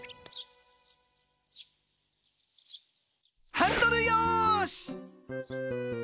ハンドルよし。